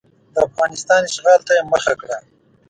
د افغانستان اشغال ته یې مخه کړه.